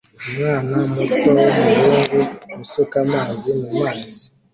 Umwana muto wumuhungu usuka amazi mumazi